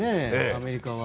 アメリカは。